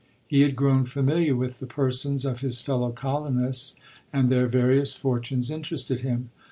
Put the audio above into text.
He had grown familiar with the persons of his fellow colonists, and their various for tunes interested him.